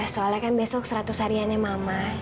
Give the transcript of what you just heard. soalnya kan besok seratus hariannya mama